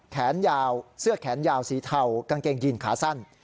แขนยาวเสื้อแขนยาวสีเทากางเกงยีนขาสั้น